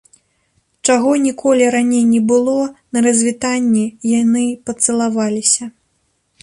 Чаго ніколі раней не было, на развітанні яны пацалаваліся.